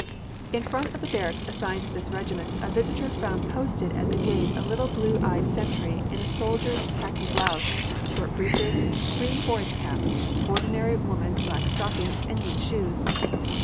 In front of the barracks assigned to this regiment a visitor found posted at the gate a little blue eyed sentry in a soldier's khaki blouse, short breeches, green forage cap, ordinary woman's black stockings and neat shoes.